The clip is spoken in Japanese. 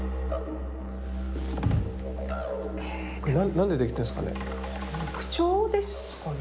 何で出来てるんですかね？